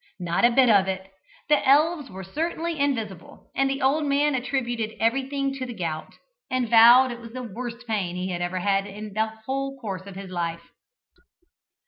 Not a bit of it: the elves were certainly invisible, and the old man attributed everything to the gout, and vowed it was the worst pain he had ever had in the whole course of his life.